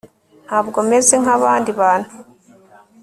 ntabwo meze nkabandi bantu